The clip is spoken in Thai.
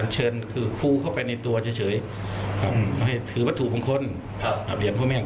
เราจะโดนยิงโดนตีโดนฆ่าครับ